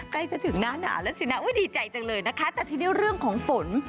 ใกล้จะถึงหน้าหนาวแล้วสินะดีใจจังเลยนะคะแต่ทีนี้เรื่องของฝน